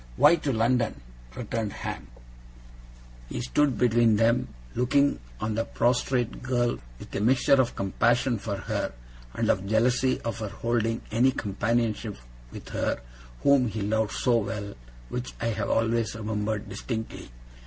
'Why to London?' returned Ham. He stood between them, looking on the prostrate girl with a mixture of compassion for her, and of jealousy of her holding any companionship with her whom he loved so well, which I have always remembered distinctly.